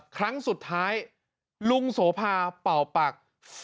ครั้งสุดท้ายลุงโสภาเป่าปาก